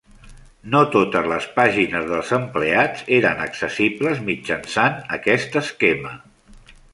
No totes les pàgines dels empleats eren accessibles mitjançant aquest esquema.